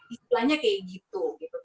istilahnya kayak gitu gitu